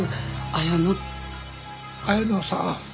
綾乃さん。